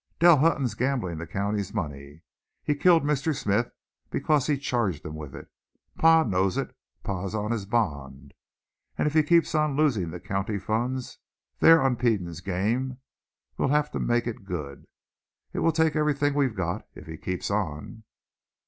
"Dell Hutton's gambling the county's money, he killed Mr. Smith because he charged him with it! Pa knows it, pa's on his bond, and if he keeps on losing the county funds there on Peden's game we'll have to make it good. It will take everything we've got if he keeps on."